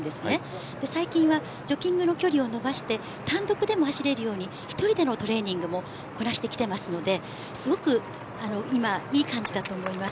最近はジョギングの距離を伸ばして単独でも走れるように１人でのトレーニングもこなしてきていますのですごく今いい感じだと思います。